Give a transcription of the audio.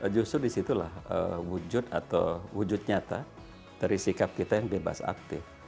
justru disitulah wujud atau wujud nyata dari sikap kita yang bebas aktif